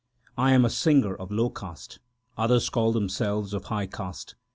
I am a singer of low caste ; others call themselves of high caste.